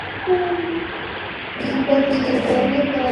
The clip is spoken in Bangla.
মুকাতিল বলেন, তার অবস্থান আরশের ডান পার্শ্বে।